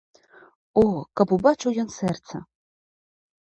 О, каб убачыў ён сэрца!